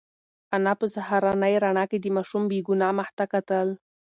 انا په سهارنۍ رڼا کې د ماشوم بې گناه مخ ته کتل.